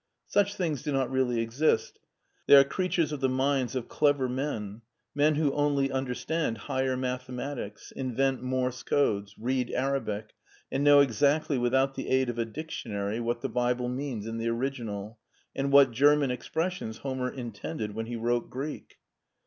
Such things do not really exist: they are creatures of the minds of clever men — ^men who only understand higher mathe matics, invent morse codes, read Arabic, and know exactly without the aid of a dictionary what the Bible means in the original, and what German expressions Homer intended when he wrote Greek.